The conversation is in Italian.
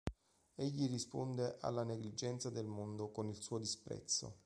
Egli risponde alla negligenza del mondo con il suo disprezzo.